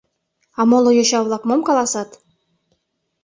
А моло йоча-влак мом каласат?